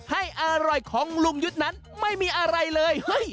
ให้อร่อยของลุงยุทธ์นั้นไม่มีอะไรเลย